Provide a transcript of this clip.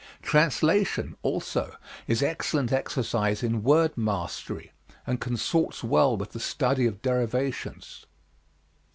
Translation, also, is excellent exercise in word mastery and consorts well with the study of derivations.